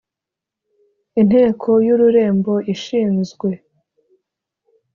Inteko y Ururembo ishinzwe